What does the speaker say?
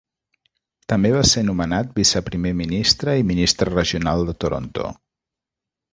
També va ser nomenat viceprimer ministre i ministre regional de Toronto.